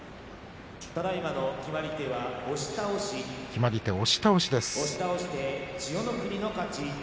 決まり手は押し倒しです。